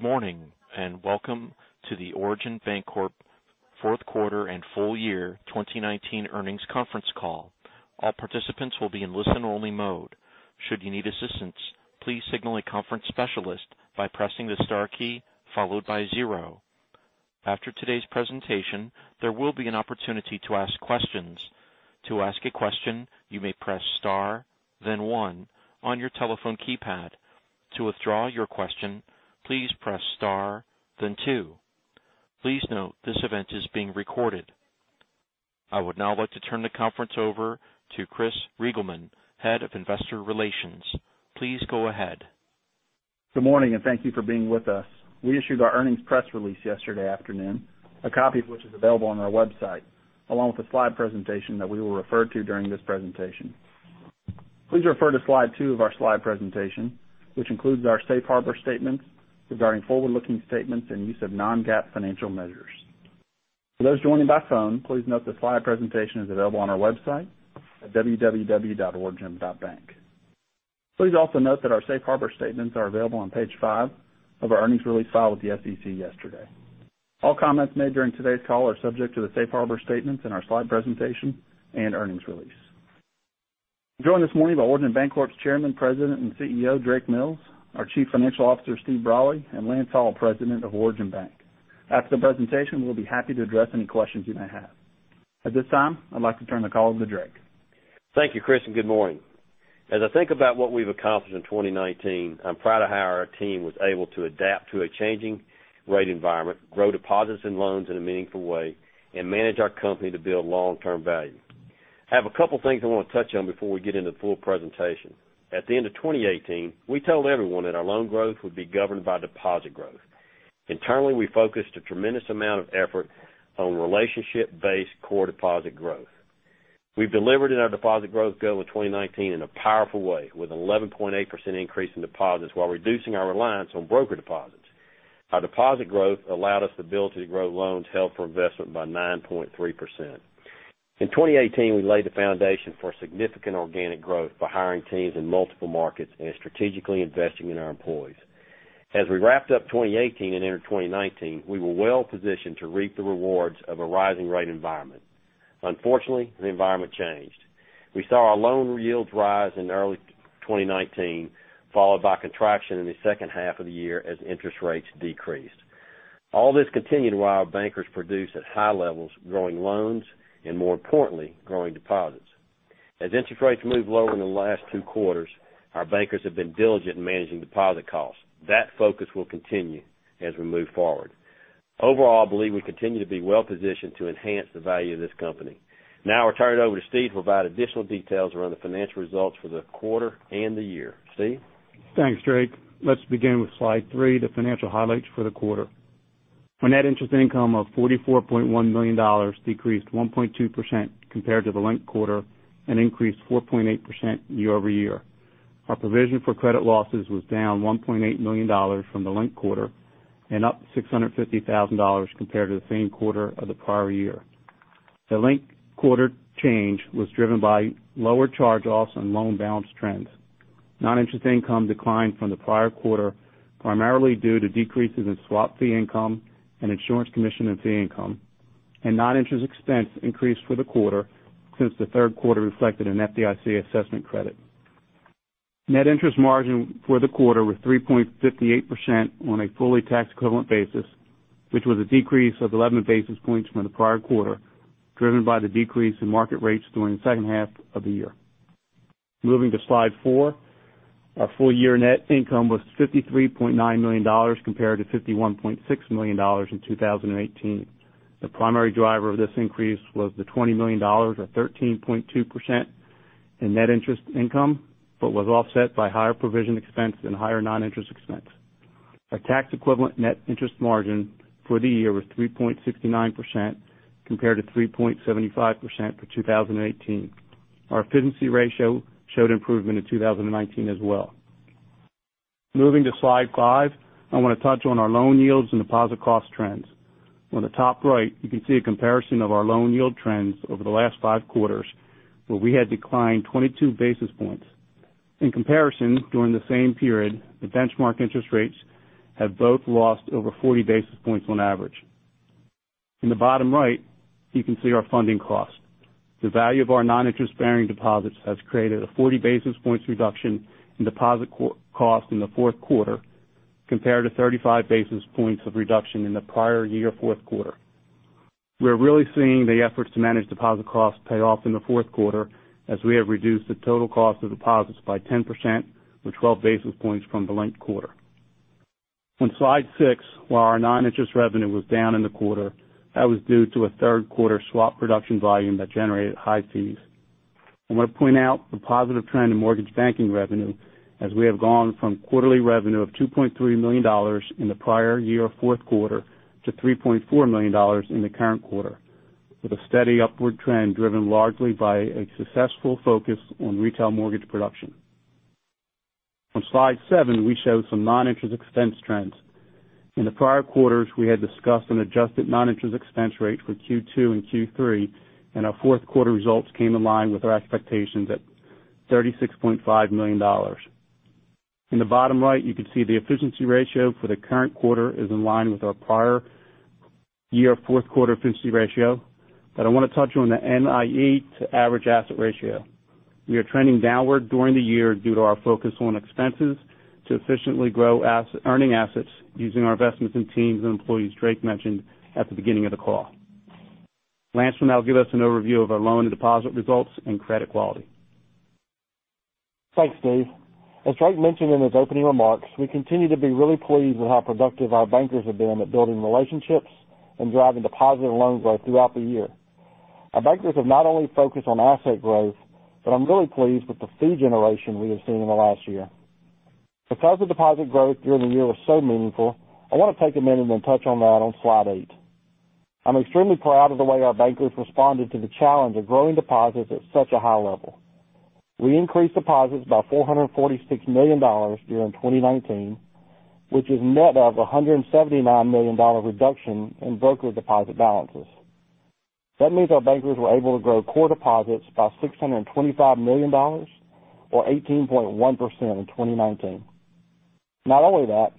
Good morning, and welcome to the Origin Bancorp fourth quarter and full year 2019 earnings conference call. All participants will be in listen-only mode. Should you need assistance, please signal a conference specialist by pressing the star key followed by zero. After today's presentation, there will be an opportunity to ask questions. To ask a question, you may press Star, then one on your telephone keypad. To withdraw your question, please press Star then two. Please note this event is being recorded. I would now like to turn the conference over to Chris Reigelman, Head of Investor Relations. Please go ahead. Good morning, and thank you for being with us. We issued our earnings press release yesterday afternoon, a copy of which is available on our website, along with a slide presentation that we will refer to during this presentation. Please refer to slide two of our slide presentation, which includes our safe harbor statements regarding forward-looking statements and use of non-GAAP financial measures. For those joining by phone, please note the slide presentation is available on our website at www.origin.bank. Please also note that our safe harbor statements are available on page five of our earnings release filed with the SEC yesterday. All comments made during today's call are subject to the safe harbor statements in our slide presentation and earnings release. I'm joined this morning by Origin Bancorp's Chairman, President and CEO, Drake Mills, our Chief Financial Officer, Steve Brolly, and Lance Hall, President of Origin Bank. After the presentation, we'll be happy to address any questions you may have. At this time, I'd like to turn the call over to Drake. Thank you Chris, and good morning. As I think about what we've accomplished in 2019, I'm proud of how our team was able to adapt to a changing rate environment, grow deposits and loans in a meaningful way, and manage our company to build long-term value. I have a couple things I want to touch on before we get into the full presentation. At the end of 2018, we told everyone that our loan growth would be governed by deposit growth. Internally, we focused a tremendous amount of effort on relationship-based core deposit growth. We've delivered in our deposit growth goal in 2019 in a powerful way, with 11.8% increase in deposits while reducing our reliance on brokered deposits. Our deposit growth allowed us the ability to grow loans held for investment by 9.3%. In 2018, we laid the foundation for significant organic growth by hiring teams in multiple markets and strategically investing in our employees. As we wrapped up 2018 and entered 2019, we were well positioned to reap the rewards of a rising rate environment. Unfortunately, the environment changed. We saw our loan yields rise in early 2019, followed by contraction in the second half of the year as interest rates decreased. All this continued while our bankers produced at high levels, growing loans, and more importantly, growing deposits. As interest rates moved lower in the last two quarters, our bankers have been diligent in managing deposit costs. That focus will continue as we move forward. Overall, I believe we continue to be well-positioned to enhance the value of this company. Now I'll turn it over to Steve to provide additional details around the financial results for the quarter and the year. Steve? Thanks, Drake. Let's begin with slide three, the financial highlights for the quarter. Our net interest income of $44.1 million decreased 1.2% compared to the linked quarter and increased 4.8% year-over-year. Our provision for credit losses was down $1.8 million from the linked quarter and up $650,000 compared to the same quarter of the prior year. The linked quarter change was driven by lower charge-offs and loan balance trends. Non-interest income declined from the prior quarter, primarily due to decreases in swap fee income and insurance commission and fee income. Non-interest expense increased for the quarter since the third quarter reflected an FDIC assessment credit. Net interest margin for the quarter was 3.58% on a fully tax-equivalent basis, which was a decrease of 11 basis points from the prior quarter, driven by the decrease in market rates during the second half of the year. Moving to slide four, our full year net income was $53.9 million compared to $51.6 million in 2018. The primary driver of this increase was the $20 million, or 13.2%, in net interest income, was offset by higher provision expense and higher non-interest expense. Our tax-equivalent net interest margin for the year was 3.69% compared to 3.75% for 2018. Our efficiency ratio showed improvement in 2019 as well. Moving to slide five, I want to touch on our loan yields and deposit cost trends. On the top right, you can see a comparison of our loan yield trends over the last five quarters, where we had declined 22 basis points. In comparison, during the same period, the benchmark interest rates have both lost over 40 basis points on average. In the bottom right, you can see our funding cost. The value of our non-interest-bearing deposits has created a 40 basis points reduction in deposit cost in the fourth quarter compared to 35 basis points of reduction in the prior year fourth quarter. We are really seeing the efforts to manage deposit costs pay off in the fourth quarter as we have reduced the total cost of deposits by 10%, or 12 basis points from the linked quarter. On slide six, while our non-interest revenue was down in the quarter, that was due to a third quarter swap production volume that generated high fees. I want to point out the positive trend in mortgage banking revenue as we have gone from quarterly revenue of $2.3 million in the prior year, fourth quarter, to $3.4 million in the current quarter, with a steady upward trend driven largely by a successful focus on retail mortgage production. On slide seven, we show some non-interest expense trends. In the prior quarters, we had discussed an adjusted non-interest expense rate for Q2 and Q3, and our fourth quarter results came in line with our expectations at $36.5 million. In the bottom right, you can see the efficiency ratio for the current quarter is in line with our prior year fourth quarter efficiency ratio. I want to touch on the NIE to average asset ratio. We are trending downward during the year due to our focus on expenses to efficiently grow earning assets using our investments in teams and employees Drake mentioned at the beginning of the call. Lance will now give us an overview of our loan and deposit results and credit quality. Thanks, Steve. As Drake mentioned in his opening remarks, we continue to be really pleased with how productive our bankers have been at building relationships and driving deposit and loan growth throughout the year. Our bankers have not only focused on asset growth, but I'm really pleased with the fee generation we have seen in the last year. Because the deposit growth during the year was so meaningful, I want to take a minute and touch on that on slide eight. I'm extremely proud of the way our bankers responded to the challenge of growing deposits at such a high level. We increased deposits by $446 million during 2019, which is net of $179 million reduction in brokered deposit balances. That means our bankers were able to grow core deposits by $625 million or 18.1% in 2019. Not only that,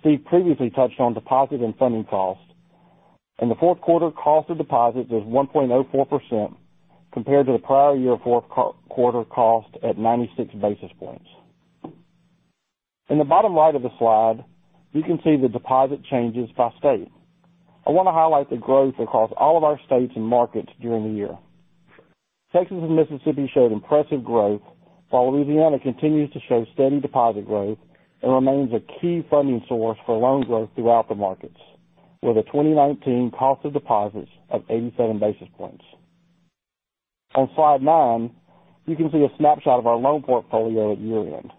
Steve previously touched on deposit and funding costs. In the fourth quarter, cost of deposits was 1.04% compared to the prior year fourth quarter cost at 96 basis points. In the bottom right of the slide, you can see the deposit changes by state. I want to highlight the growth across all of our states and markets during the year. Texas and Mississippi showed impressive growth, while Louisiana continues to show steady deposit growth and remains a key funding source for loan growth throughout the markets, with a 2019 cost of deposits of 87 basis points. On slide nine, you can see a snapshot of our loan portfolio at year-end.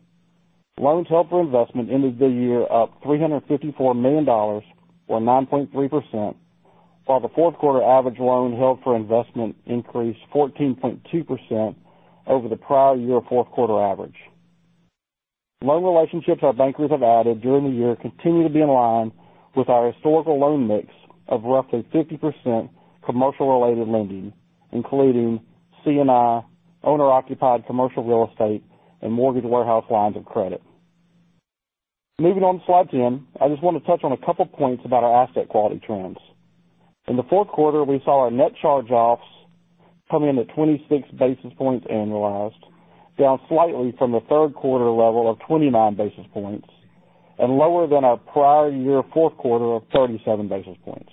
Loans held for investment ended the year up $354 million, or 9.3%, while the fourth quarter average loan held for investment increased 14.2% over the prior year fourth quarter average. Loan relationships our bankers have added during the year continue to be in line with our historical loan mix of roughly 50% commercial related lending, including C&I, owner-occupied commercial real estate, and mortgage warehouse lines of credit. Moving on to slide 10, I just want to touch on a couple points about our asset quality trends. In the fourth quarter, we saw our net charge-offs come in at 26 basis points annualized, down slightly from the third quarter level of 29 basis points, and lower than our prior year fourth quarter of 37 basis points.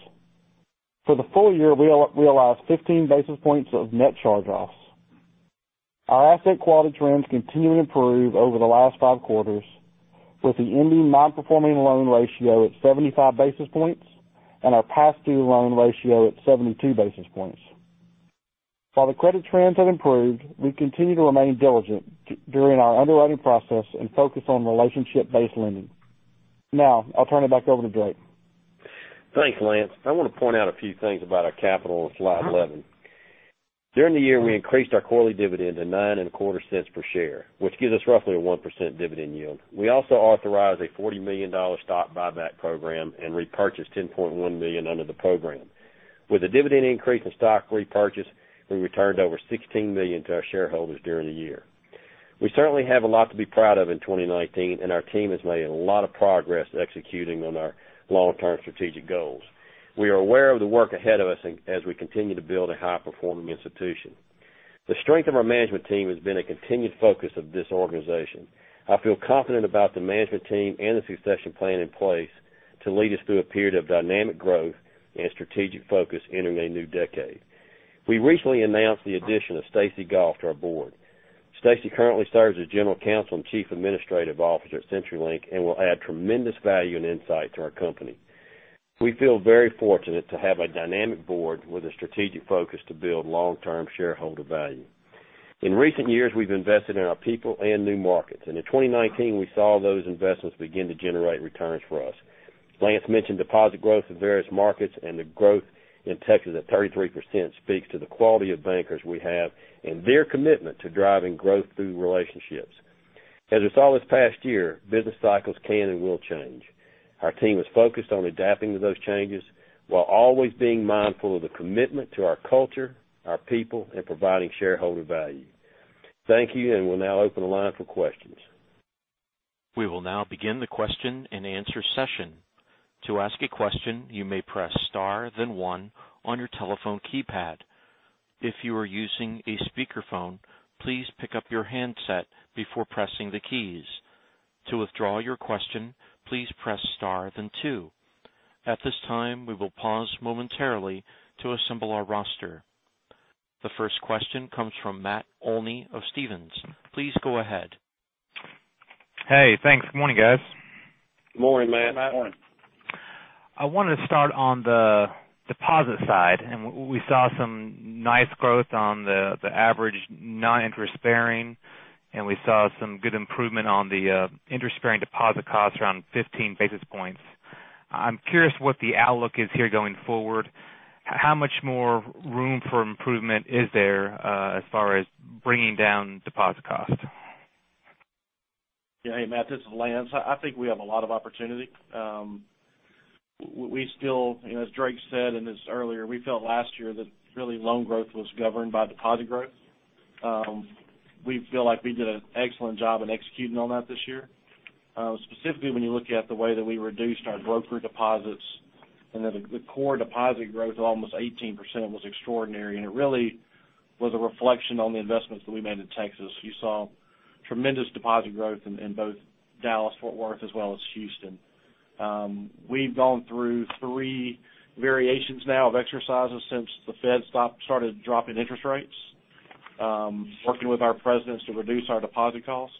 For the full year, we realized 15 basis points of net charge-offs. Our asset quality trends continue to improve over the last five quarters, with the ending non-performing loan ratio at 75 basis points and our past due loan ratio at 72 basis points. While the credit trends have improved, we continue to remain diligent during our underwriting process and focus on relationship-based lending. Now, I'll turn it back over to Drake. Thanks, Lance. I want to point out a few things about our capital on slide 11. During the year, we increased our quarterly dividend to $0.0925 per share, which gives us roughly a 1% dividend yield. We also authorized a $40 million stock buyback program and repurchased $10.1 million under the program. With a dividend increase in stock repurchase, we returned over $16 million to our shareholders during the year. We certainly have a lot to be proud of in 2019, and our team has made a lot of progress executing on our long-term strategic goals. We are aware of the work ahead of us as we continue to build a high-performing institution. The strength of our management team has been a continued focus of this organization. I feel confident about the management team and the succession plan in place to lead us through a period of dynamic growth and strategic focus entering a new decade. We recently announced the addition of Stacey Goff to our board. Stacey currently serves as General Counsel and Chief Administrative Officer at CenturyLink and will add tremendous value and insight to our company. We feel very fortunate to have a dynamic board with a strategic focus to build long-term shareholder value. In recent years, we've invested in our people and new markets, and in 2019, we saw those investments begin to generate returns for us. Lance mentioned deposit growth in various markets, and the growth in Texas at 33% speaks to the quality of bankers we have and their commitment to driving growth through relationships. As we saw this past year, business cycles can and will change. Our team is focused on adapting to those changes while always being mindful of the commitment to our culture, our people, and providing shareholder value. Thank you. We'll now open the line for questions. We will now begin the question and answer session. To ask a question, you may press star then one on your telephone keypad. If you are using a speakerphone, please pick up your handset before pressing the keys. To withdraw your question, please press star then two. At this time, we will pause momentarily to assemble our roster. The first question comes from Matt Olney of Stephens. Please go ahead. Hey, thanks. Good morning, guys. Good morning, Matt. I want to start on the deposit side, and we saw some nice growth on the average non-interest-bearing, and we saw some good improvement on the interest-bearing deposit costs around 15 basis points. I'm curious what the outlook is here going forward. How much more room for improvement is there as far as bringing down deposit costs? Hey, Matt, this is Lance. I think we have a lot of opportunity. As Drake said in this earlier, we felt last year that really loan growth was governed by deposit growth. We feel like we did an excellent job in executing on that this year. Specifically when you look at the way that we reduced our brokered deposits and that the core deposit growth of almost 18% was extraordinary, and it really was a reflection on the investments that we made in Texas. You saw tremendous deposit growth in both Dallas-Fort Worth as well as Houston. We've gone through three variations now of exercises since the Fed started dropping interest rates, working with our presidents to reduce our deposit cost.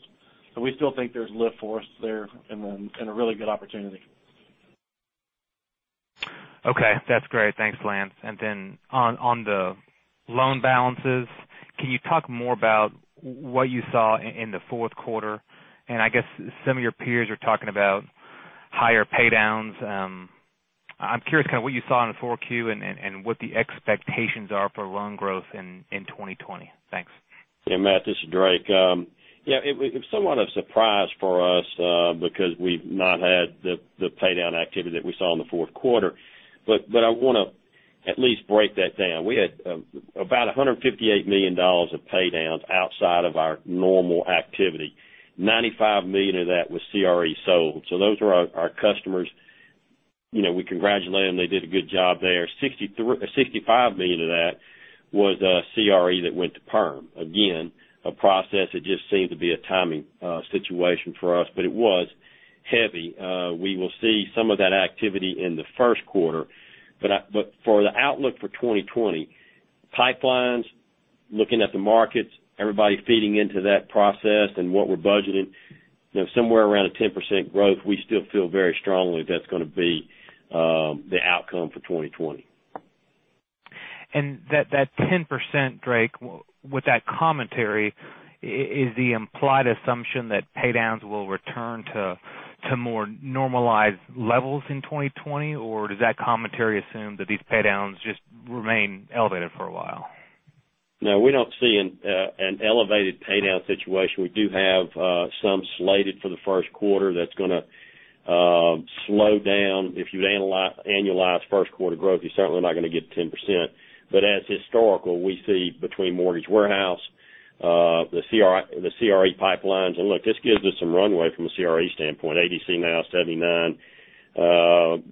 We still think there's lift for us there and a really good opportunity. Okay. That's great. Thanks, Lance. Then on the loan balances, can you talk more about what you saw in the fourth quarter? I guess some of your peers are talking about higher paydowns. I'm curious kind of what you saw in the 4Q and what the expectations are for loan growth in 2020. Thanks. Matt, this is Drake. It was somewhat of surprise for us, because we've not had the paydown activity that we saw in the fourth quarter. I want to at least break that down. We had about $158 million of paydowns outside of our normal activity. $95 million of that was CRE sold. Those were our customers. We congratulate them. They did a good job there. $65 million of that was CRE that went to perm. Again, a process that just seemed to be a timing situation for us, but it was heavy. We will see some of that activity in the first quarter. For the outlook for 2020, pipelines, looking at the markets, everybody feeding into that process and what we're budgeting, somewhere around a 10% growth, we still feel very strongly that's going to be the outcome for 2020. That 10%, Drake, with that commentary, is the implied assumption that paydowns will return to more normalized levels in 2020? Or does that commentary assume that these paydowns just remain elevated for a while? No, we don't see an elevated paydown situation. We do have some slated for the first quarter that's going to slow down. If you annualize first quarter growth, you're certainly not going to get 10%. As historical, we see between mortgage warehouse, the CRE pipelines, and look, this gives us some runway from a CRE standpoint, ADC now 79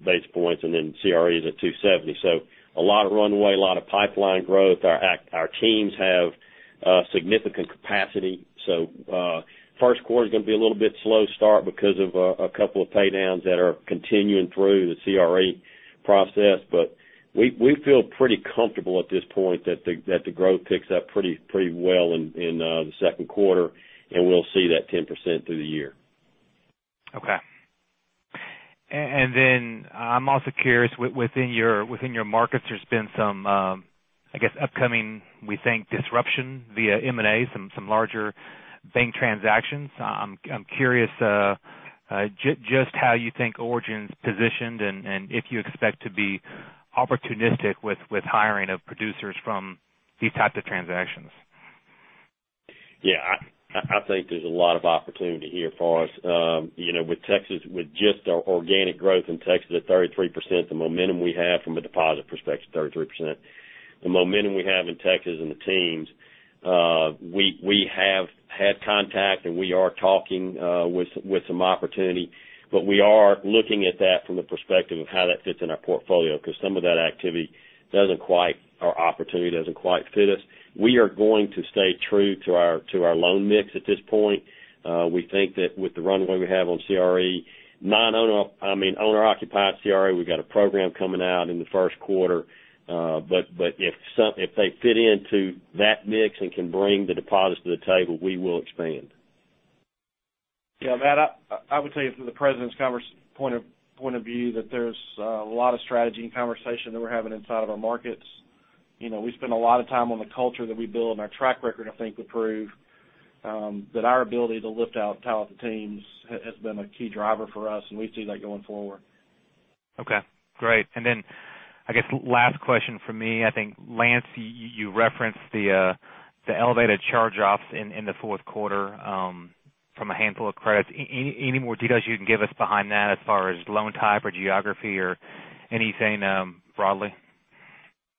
basis points, and then CRE is at 270. A lot of runway, a lot of pipeline growth. Our teams have significant capacity. First quarter's going to be a little bit slow start because of a couple of paydowns that are continuing through the CRE process. We feel pretty comfortable at this point that the growth picks up pretty well in the second quarter, and we'll see that 10% through the year. Okay. I'm also curious, within your markets, there's been some, I guess, upcoming, we think disruption via M&A, some larger bank transactions. I'm curious just how you think Origin's positioned and if you expect to be opportunistic with hiring of producers from these types of transactions. Yeah, I think there's a lot of opportunity here for us. With just our organic growth in Texas at 33%, the momentum we have from a deposit perspective, 33%, the momentum we have in Texas and the teams, we have had contact and we are talking with some opportunity. We are looking at that from the perspective of how that fits in our portfolio, because some of that activity or opportunity doesn't quite fit us. We are going to stay true to our loan mix at this point. We think that with the runway we have on CRE, owner-occupied CRE, we've got a program coming out in the first quarter. If they fit into that mix and can bring the deposits to the table, we will expand. Yeah, Matt, I would tell you from the president's point of view, that there's a lot of strategy and conversation that we're having inside of our markets. We spend a lot of time on the culture that we build and our track record, I think, would prove that our ability to lift out talented teams has been a key driver for us, and we see that going forward. Okay, great. I guess last question from me. I think, Lance, you referenced the elevated charge-offs in the fourth quarter from a handful of credits. Any more details you can give us behind that as far as loan type or geography or anything broadly?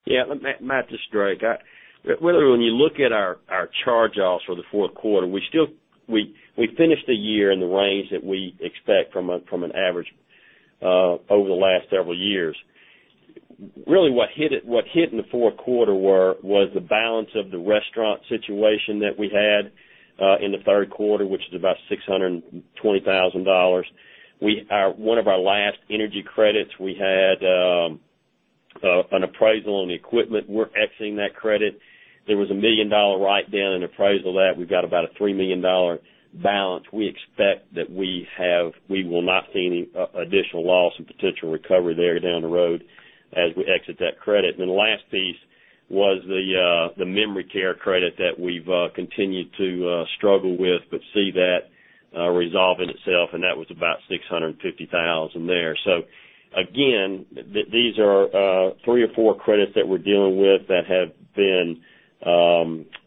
Yeah. Matt, this is Drake. When you look at our charge-offs for the fourth quarter, we finished the year in the range that we expect from an average over the last several years. Really what hit in the fourth quarter was the balance of the restaurant situation that we had in the third quarter, which is about $620,000. One of our last energy credits, we had an appraisal on the equipment. We're exiting that credit. There was a million-dollar write down and appraisal that we've got about a $3 million balance. We expect that we will not see any additional loss and potential recovery there down the road as we exit that credit. The last piece was the memory care credit that we've continued to struggle with but see that resolving itself, and that was about $650,000 there. Again, these are three or four credits that we're dealing with that have been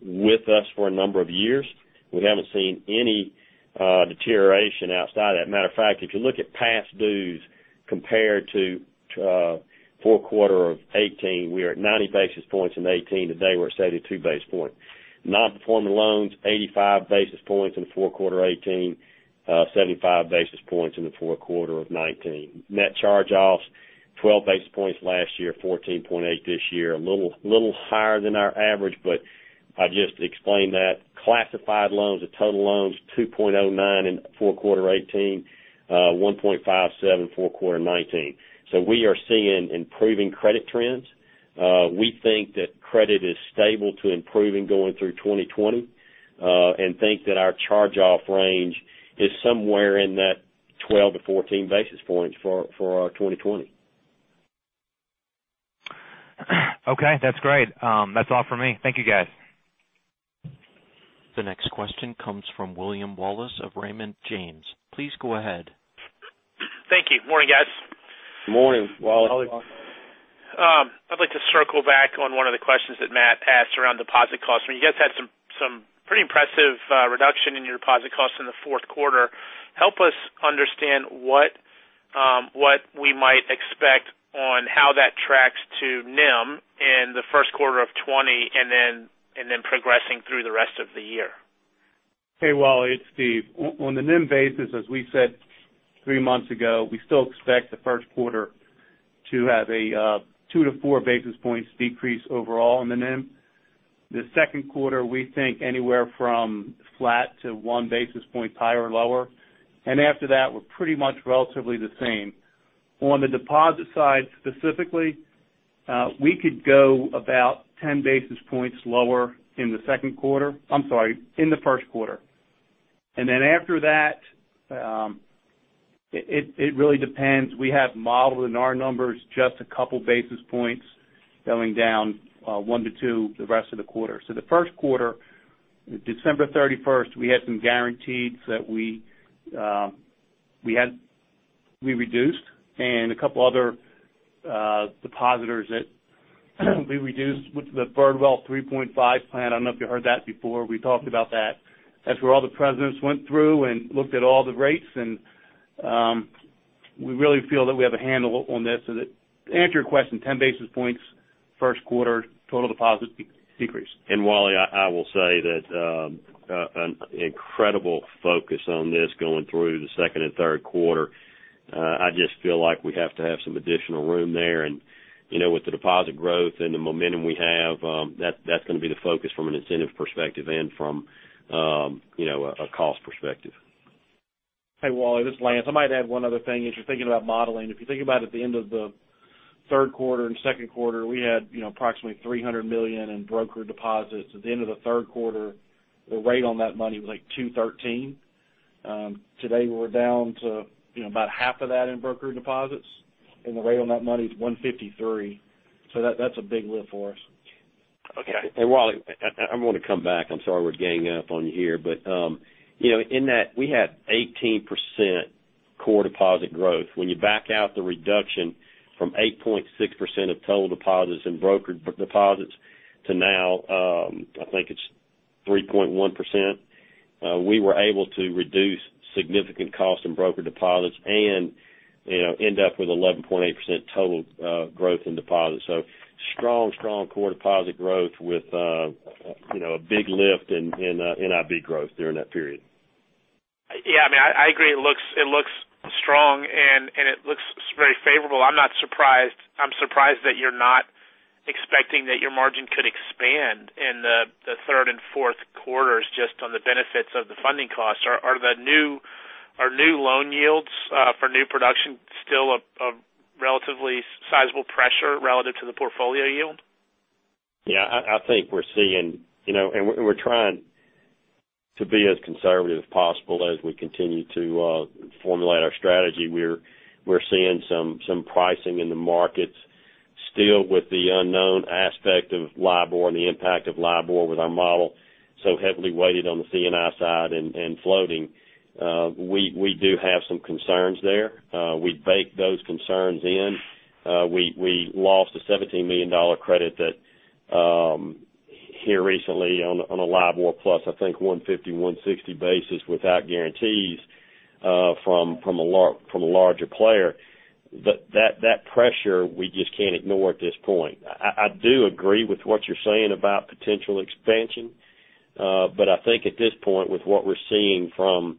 with us for a number of years. We haven't seen any deterioration outside of that. Matter of fact, if you look at past dues compared to four quarter of 2018, we are at 90 basis points in 2018. Today, we're at 72 basis points. Non-performing loans, 85 basis points in the four quarter 2018, 75 basis points in the four quarter of 2019. Net charge-offs, 12 basis points last year, 14.8 this year. A little higher than our average, but I just explained that. Classified loans to total loans, 2.09 in four quarter 2018, 1.57 four quarter 2019. We are seeing improving credit trends. We think that credit is stable to improving going through 2020, and think that our charge-off range is somewhere in that 12-14 basis points for our 2020. Okay. That's great. That's all for me. Thank you, guys. The next question comes from William Wallace of Raymond James. Please go ahead. Thank you. Morning guys. Morning, Wallace. I'd like to circle back on one of the questions that Matt asked around deposit costs. When you guys had some pretty impressive reduction in your deposit costs in the fourth quarter, help us understand what we might expect on how that tracks to NIM in the first quarter of 2020, and then progressing through the rest of the year. Hey, Wally, it's Steve. On the NIM basis, as we said three months ago, we still expect the first quarter to have a two to four basis points decrease overall on the NIM. The second quarter, we think anywhere from flat to one basis point higher or lower. After that, we're pretty much relatively the same. On the deposit side, specifically, we could go about 10 basis points lower in the second quarter-- I'm sorry, in the first quarter. After that, it really depends. We have modeled in our numbers just a couple basis points going down one to two the rest of the quarter. The first quarter, December 31st, we had some guarantees that we reduced and a couple other depositors that we reduced with the Fardwell 3.5 plan. I don't know if you heard that before. We talked about that. That's where all the presidents went through and looked at all the rates. We really feel that we have a handle on this. To answer your question, 10 basis points first quarter total deposit decrease. Wally, I will say that an incredible focus on this going through the second and third quarter, I just feel like we have to have some additional room there. With the deposit growth and the momentum we have, that's going to be the focus from an incentive perspective and from a cost perspective. Hey, Wally, this is Lance. I might add one other thing. As you're thinking about modeling, if you think about at the end of the third quarter and second quarter, we had approximately $300 million in brokered deposits. At the end of the third quarter, the rate on that money was like 2.13%. Today, we're down to about half of that in brokered deposits, and the rate on that money is 1.53%. That's a big lift for us. Okay. Wally, I'm going to come back. I'm sorry we're ganging up on you here, but in that, we had 18% core deposit growth. When you back out the reduction from 8.6% of total deposits in brokered deposits to now, I think it's 3.1%, we were able to reduce significant cost in brokered deposits and end up with 11.8% total growth in deposits. Strong core deposit growth with a big lift in IB growth during that period. Yeah. I agree. It looks strong, and it looks very favorable. I'm surprised that you're not expecting that your margin could expand in the third and fourth quarters just on the benefits of the funding costs. Are new loan yields for new production still a relatively sizable pressure relative to the portfolio yield? Yeah, I think we're seeing and we're trying to be as conservative as possible as we continue to formulate our strategy. We're seeing some pricing in the markets still with the unknown aspect of LIBOR and the impact of LIBOR with our model so heavily weighted on the C&I side and floating. We do have some concerns there. We baked those concerns in. We lost a $17 million credit here recently on a LIBOR plus, I think 150, 160 basis without guarantees from a larger player. That pressure we just can't ignore at this point. I do agree with what you're saying about potential expansion. I think at this point, with what we're seeing from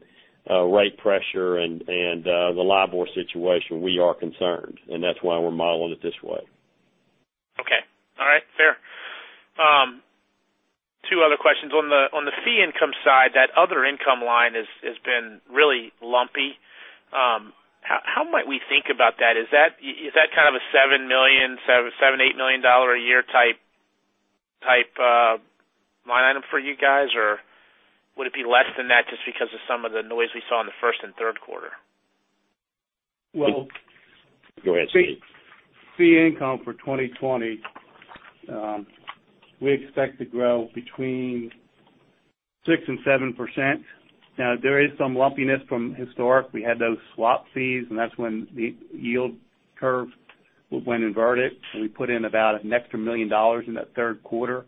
rate pressure and the LIBOR situation, we are concerned, and that's why we're modeling it this way. Okay. All right. Fair. Two other questions. On the fee income side, that other income line has been really lumpy. How might we think about that? Is that kind of a $7 million-$8 million a year type line item for you guys, or would it be less than that just because of some of the noise we saw in the first and third quarter? Well- Go ahead, Steve. Fee income for 2020, we expect to grow between 6%-7%. Now, there is some lumpiness from historic. We had those swap fees, and that's when the yield curve went inverted, and we put in about an extra $1 million in that third quarter.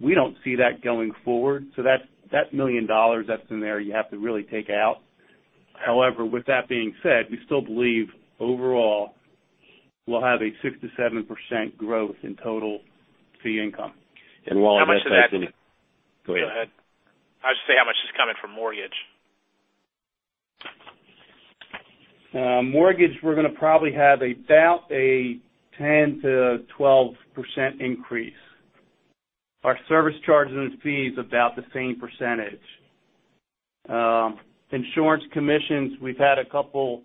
We don't see that going forward. That $1 million that's in there, you have to really take out. However, with that being said, we still believe overall we'll have a 6%-7% growth in total fee income. While that's in. How much of that- Go ahead. Go ahead. I was going to say, how much is coming from mortgage? Mortgage, we're going to probably have about a 10%-12% increase. Our service charges and fees, about the same percentage. Insurance commissions, we've had a couple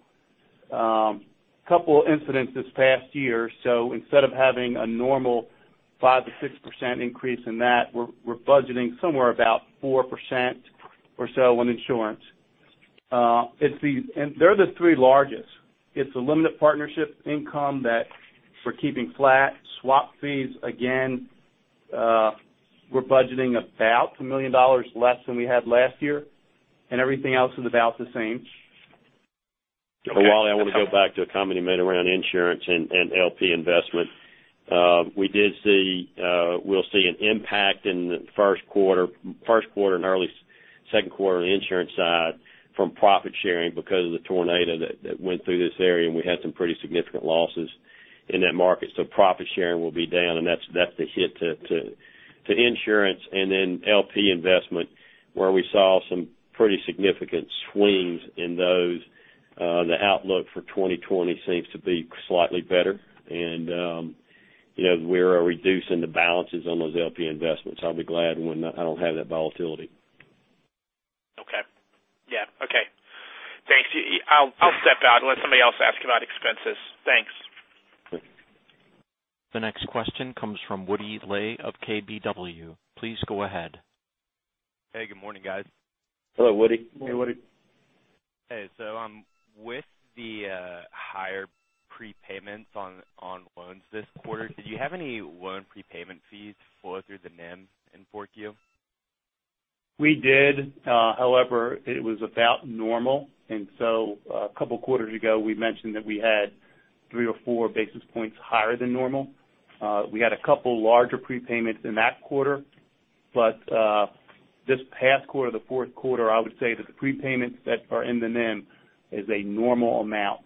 incidents this past year, so instead of having a normal 5%-6% increase in that, we're budgeting somewhere about 4% or so on insurance. They're the three largest. It's the limited partnership income that we're keeping flat. Swap fees, again, we're budgeting about $1 million less than we had last year, and everything else is about the same. For Wally, I want to go back to a comment he made around insurance and LP investment. We'll see an impact in the first quarter and early second quarter on the insurance side from profit sharing because of the tornado that went through this area, and we had some pretty significant losses in that market. Profit sharing will be down, and that's the hit to insurance. LP investment, where we saw some pretty significant swings in those. The outlook for 2020 seems to be slightly better, and we are reducing the balances on those LP investments. I'll be glad when I don't have that volatility. Okay. Yeah. Okay. Thanks. I'll step out and let somebody else ask about expenses. Thanks. The next question comes from Woody Lay of KBW. Please go ahead. Hey, good morning, guys. Hello, Woody. Morning, Woody. Hey. With the higher prepayments on loans this quarter, did you have any loan prepayment fees flow through the NIM in 4Q? We did. However, it was about normal. A couple of quarters ago, we mentioned that we had three or four basis points higher than normal. We had a couple larger prepayments in that quarter. This past quarter, the fourth quarter, I would say that the prepayments that are in the NIM is a normal amount,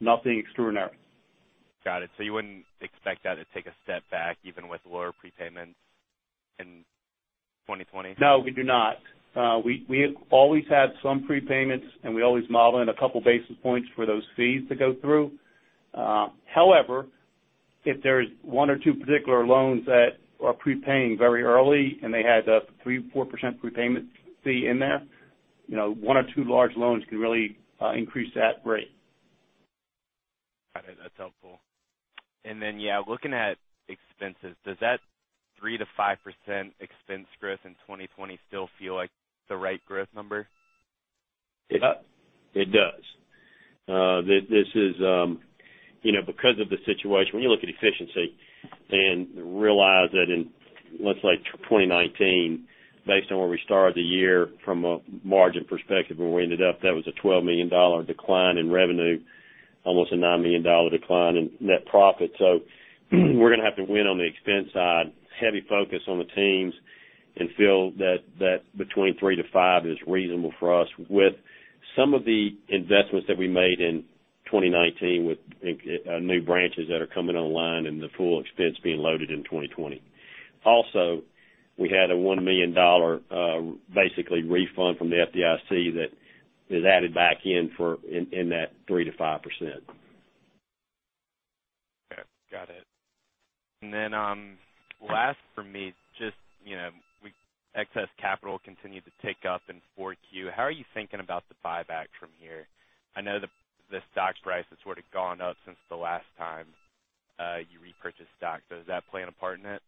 nothing extraordinary. Got it. You wouldn't expect that to take a step back even with lower prepayments in 2020? No, we do not. We always had some prepayments, and we always model in a couple basis points for those fees to go through. However, if there's one or two particular loans that are prepaying very early and they had a 3% to 4% prepayment fee in there, one or two large loans can really increase that rate. Got it. That's helpful. Yeah, looking at expenses, does that 3%-5% expense growth in 2020 still feel like the right growth number? It does. Because of the situation, when you look at efficiency and realize that in, let's say, 2019, based on where we started the year from a margin perspective, where we ended up, that was a $12 million decline in revenue, almost a $9 million decline in net profit. We're going to have to win on the expense side, heavy focus on the teams, and feel that between 3%-5% is reasonable for us with some of the investments that we made in 2019 with new branches that are coming online and the full expense being loaded in 2020. Also, we had a $1 million, basically refund from the FDIC that is added back in that 3%-5%. Okay. Got it. Last for me, excess capital continued to tick up in 4Q. How are you thinking about the buyback from here? I know the stock price has sort of gone up since the last time you repurchased stock. Does that play a part in it?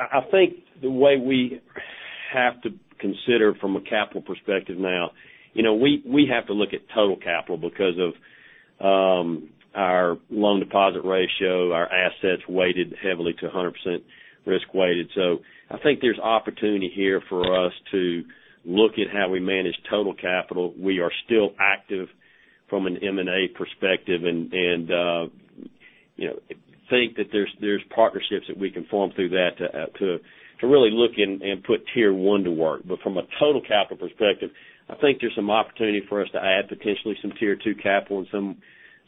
I think the way we have to consider from a capital perspective now, we have to look at total capital because of our loan deposit ratio, our assets weighted heavily to 100% risk weighted. I think there's opportunity here for us to look at how we manage total capital. We are still active from an M&A perspective and think that there's partnerships that we can form through that to really look and put Tier 1 to work. From a total capital perspective, I think there's some opportunity for us to add potentially some Tier 2 capital in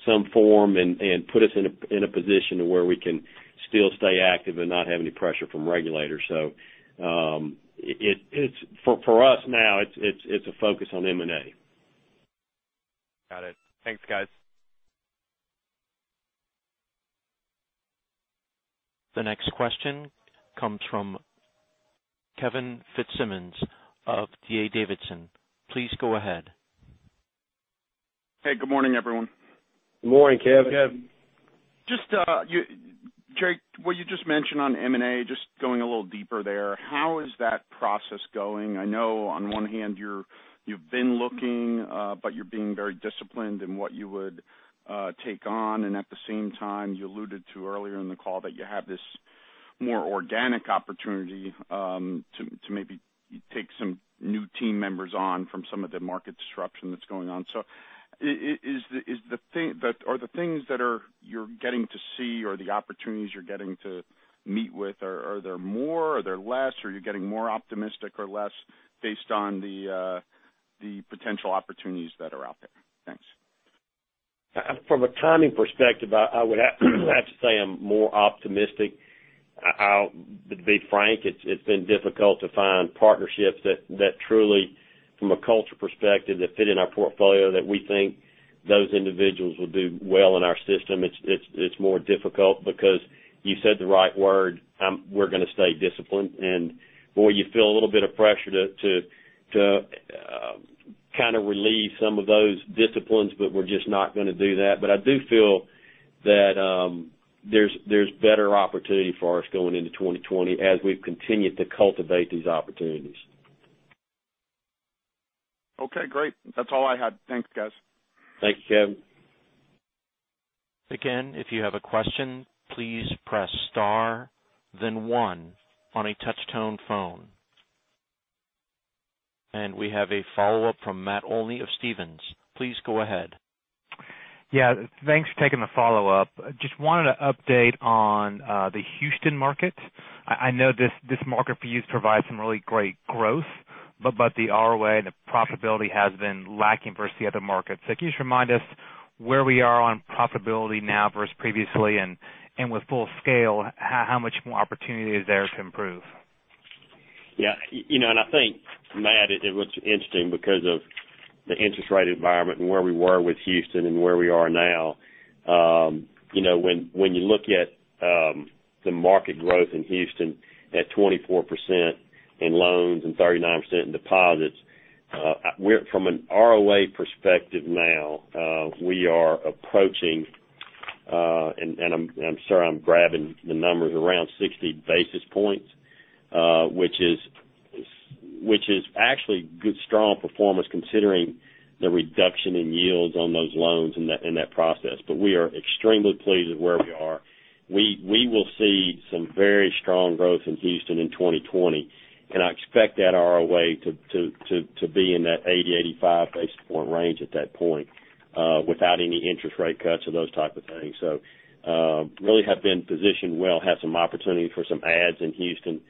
some form and put us in a position to where we can still stay active and not have any pressure from regulators. For us now, it's a focus on M&A. Got it. Thanks, guys. The next question comes from Kevin Fitzsimmons of D.A. Davidson. Please go ahead. Hey, good morning, everyone. Good morning, Kevin. Kevin. Just, Drake, what you just mentioned on M&A, just going a little deeper there, how is that process going? I know on one hand you've been looking, but you're being very disciplined in what you would take on, and at the same time, you alluded to earlier in the call that you have this more organic opportunity to maybe take some new team members on from some of the market disruption that's going on. Are the things that you're getting to see or the opportunities you're getting to meet with, are there more, are there less? Are you getting more optimistic or less based on the potential opportunities that are out there? Thanks. From a timing perspective, I would have to say I'm more optimistic. To be frank, it's been difficult to find partnerships that truly, from a culture perspective, that fit in our portfolio, that we think those individuals will do well in our system. It's more difficult because you said the right word, we're going to stay disciplined and boy, you feel a little bit of pressure to kind of relieve some of those disciplines, but we're just not going to do that. I do feel that there's better opportunity for us going into 2020 as we've continued to cultivate these opportunities. Okay, great. That's all I had. Thanks, guys. Thank you, Kevin. Again, if you have a question, please press star then one on a touch tone phone. We have a follow-up from Matt Olney of Stephens. Please go ahead. Yeah, thanks for taking the follow-up. Just wanted an update on the Houston market. I know this market for you has provided some really great growth, but the ROA and the profitability has been lacking versus the other markets. Can you just remind us where we are on profitability now versus previously, and with full scale, how much more opportunity is there to improve? Yeah. I think, Matt, it was interesting because of the interest rate environment and where we were with Houston and where we are now. When you look at the market growth in Houston at 24% in loans and 39% in deposits, from an ROA perspective now, we are approaching, I'm sorry, I'm grabbing the numbers, around 60 basis points, which is actually good, strong performance considering the reduction in yields on those loans in that process. We are extremely pleased with where we are. We will see some very strong growth in Houston in 2020, I expect that ROA to be in that 80 to 85 basis point range at that point, without any interest rate cuts or those type of things. Really have been positioned well, have some opportunity for some adds in Houston.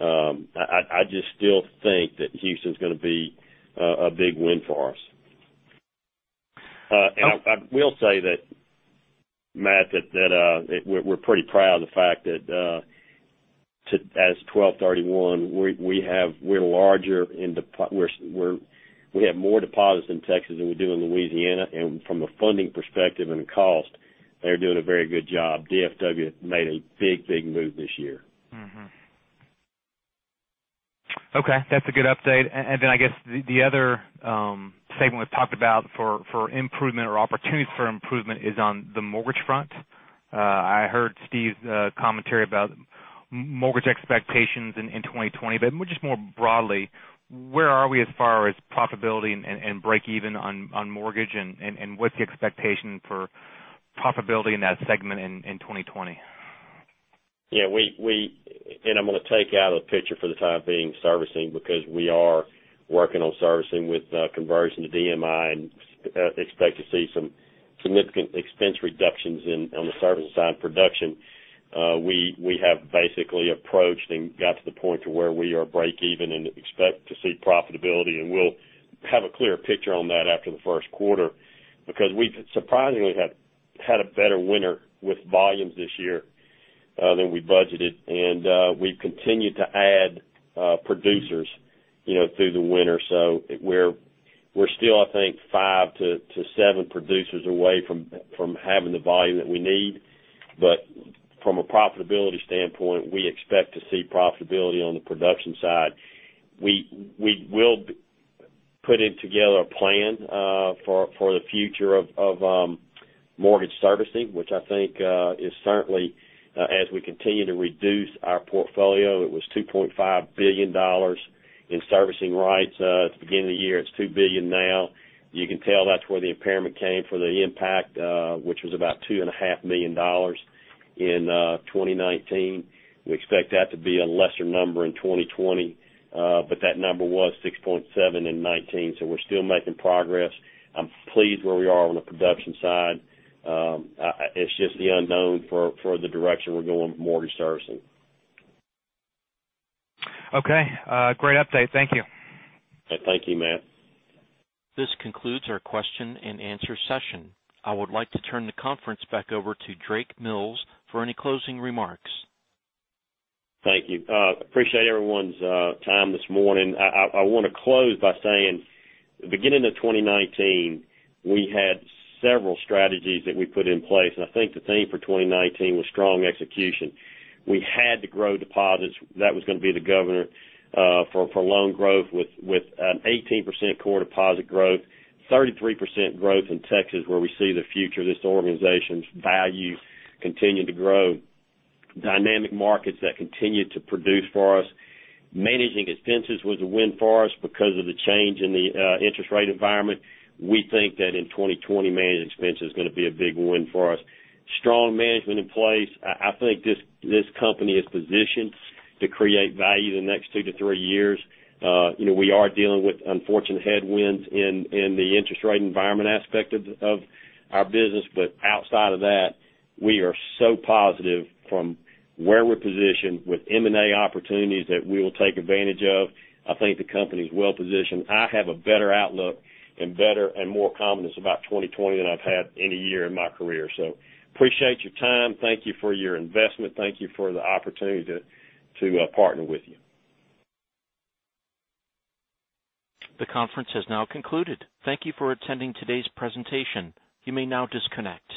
I just still think that Houston's going to be a big win for us. I will say that, Matt, that we're pretty proud of the fact that, as of December 31st, we have more deposits in Texas than we do in Louisiana. From a funding perspective and the cost, they're doing a very good job. DFW made a big move this year. Mm-hmm. Okay, that's a good update. I guess the other segment we've talked about for improvement or opportunities for improvement is on the mortgage front. I heard Steve's commentary about mortgage expectations in 2020. Just more broadly, where are we as far as profitability and break even on mortgage? What's the expectation for profitability in that segment in 2020? Yeah. I'm going to take out of the picture for the time being servicing, because we are working on servicing with conversion to DMI and expect to see some significant expense reductions on the service side production. We have basically approached and got to the point to where we are breakeven and expect to see profitability, and we'll have a clearer picture on that after the first quarter, because we surprisingly have had a better winter with volumes this year than we budgeted. We've continued to add producers through the winter. We're still, I think, five to seven producers away from having the volume that we need. From a profitability standpoint, we expect to see profitability on the production side. We will be putting together a plan for the future of mortgage servicing, which I think is certainly as we continue to reduce our portfolio, it was $2.5 billion in servicing rights at the beginning of the year. It's $2 billion now. You can tell that's where the impairment came for the impact, which was about $2.5 million in 2019. We expect that to be a lesser number in 2020. That number was $6.7 million in 2019, so we're still making progress. I'm pleased where we are on the production side. It's just the unknown for the direction we're going with mortgage servicing. Okay. Great update. Thank you. Thank you, Matt. This concludes our question and answer session. I would like to turn the conference back over to Drake Mills for any closing remarks. Thank you. Appreciate everyone's time this morning. I want to close by saying, beginning of 2019, we had several strategies that we put in place, and I think the theme for 2019 was strong execution. We had to grow deposits. That was going to be the governor for loan growth with an 18% core deposit growth, 33% growth in Texas, where we see the future of this organization's value continue to grow. Dynamic markets that continue to produce for us. Managing expenses was a win for us because of the change in the interest rate environment. We think that in 2020, managing expense is going to be a big win for us. Strong management in place. I think this company is positioned to create value the next two to three years. We are dealing with unfortunate headwinds in the interest rate environment aspect of our business. Outside of that, we are so positive from where we're positioned with M&A opportunities that we will take advantage of. I think the company's well-positioned. I have a better outlook and better and more confidence about 2020 than I've had any year in my career. Appreciate your time. Thank you for your investment. Thank you for the opportunity to partner with you. The conference has now concluded. Thank you for attending today's presentation. You may now disconnect.